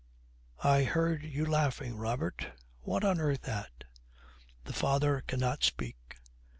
'I heard you laughing, Robert; what on earth at?' The father cannot speak.